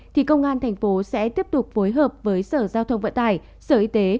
thì công an thành phố sẽ tiếp tục phối hợp với sở giao thông vận tải sở y tế